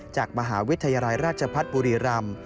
จากมหาวิทยาลัยราชพัฒน์บุรีรำ